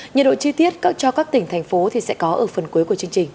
nhiệt độ chi tiết cho các tỉnh thành phố sẽ có ở phần cuối của chương trình